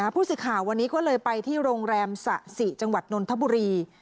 ผู้สื่อข่าววันนี้ก็เลยไปที่โรงแรมสะสิจังหวัดนนทบุรี